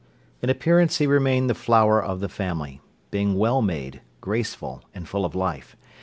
In appearance he remained the flower of the family, being well made, graceful, and full of life.